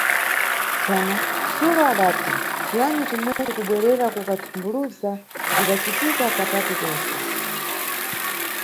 Tsono, Sulo adati "ciyani cimweci" kubwerera kuka sumbuluza, bzidacitika katatu kense.